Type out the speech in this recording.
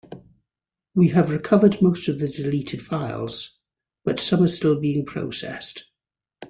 We have recovered most of the deleted files, but some are still being processed.